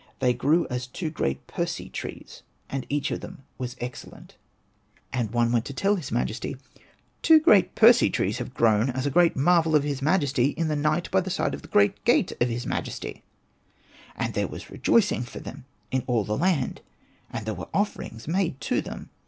They grew as two great Persea trees, and each of them was excellent. Hosted by Google 62 ANPU AND BATA And one went to tell unto his majesty, '' Two great Persea trees have grown, as a great marvel of his majesty, in the night by the side of the great gate of his majesty." And ^.ei^^s bata's tersea trees there was rejoicing for them in all the land, and there were offerings made to them.